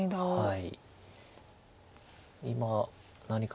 はい。